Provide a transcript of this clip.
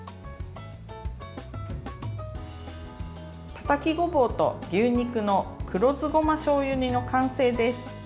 たたきごぼうと牛肉の黒酢ごましょうゆ煮の完成です。